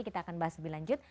kita akan bahas lebih lanjut